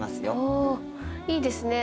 おいいですね。